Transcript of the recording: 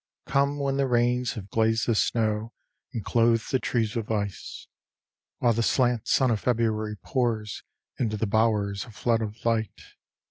Come when the rains Have glazed the snow and clothed the trees with ice, While the slant sun of February pours Into the bowers a flood of light.